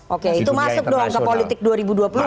oke itu masuk dong ke politik dua ribu dua puluh empat